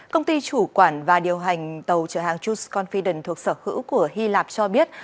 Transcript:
công ty chủ quản và điều hành tàu chở hàng choose confidence thuộc sở hữu của hy lạp cho biết